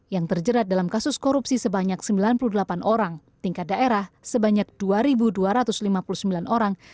yang terjerat dalam kasus korupsi sebanyak sembilan puluh delapan orang tingkat daerah sebanyak dua dua ratus lima puluh sembilan orang